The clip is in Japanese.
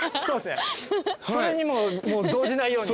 それに動じないように。